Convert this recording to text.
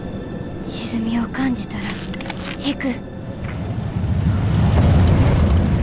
沈みを感じたら引く。